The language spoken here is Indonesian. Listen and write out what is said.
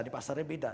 di pasarnya beda